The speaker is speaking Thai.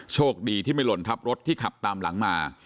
โชคดีที่ไม่หล่นทับรถที่ขับตามหลังมา